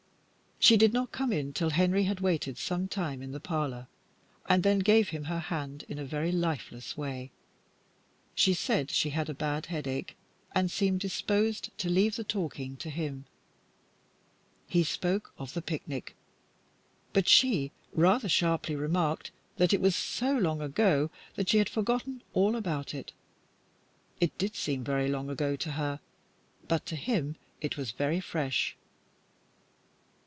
She did not come in till Henry had waited some time in the parlour, and then gave him her hand in a very lifeless way. She said she had a bad head ache, and seemed disposed to leave the talking to him. He spoke of the picnic, but she rather sharply remarked that it was so long ago that she had forgotten all about it. It did seem very long ago to her, but to him it was very fresh.